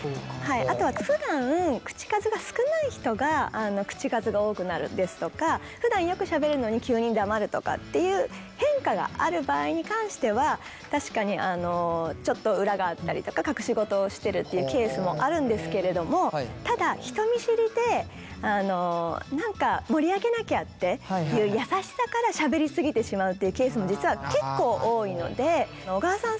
あとはふだん口数が少ない人が口数が多くなるですとかふだんよくしゃべるのに急に黙るとかっていう変化がある場合に関しては確かにちょっと裏があったりとか隠し事をしてるっていうケースもあるんですけれどもただ人見知りで何か盛り上げなきゃっていう優しさからしゃべり過ぎてしまうっていうケースも実は結構多いので小川さん